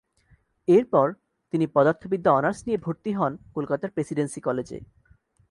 এরপর তিনি পদার্থবিদ্যা অনার্স নিয়ে ভরতি হন কলকাতার প্রেসিডেন্সি কলেজে।